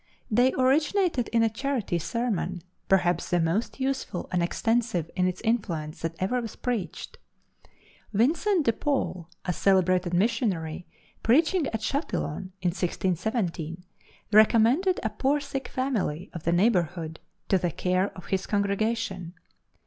They originated in a charity sermon, perhaps the most useful and extensive in its influence that ever was preached. Vincent de Paul, a celebrated missionary, preaching at Chatillon, in 1617, recommended a poor sick family of the neighborhood to the care of his congregation.